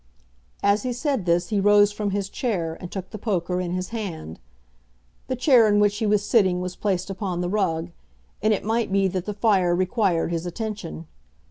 As he said this he rose from his chair, and took the poker in his hand. The chair in which he was sitting was placed upon the rug, and it might be that the fire required his attention.